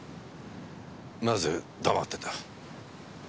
なぜ黙ってた？